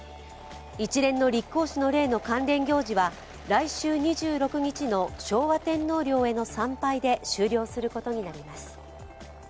一連の立皇嗣の礼の関連行事は来週２６日の昭和天皇山陵への参拝で終了することになります。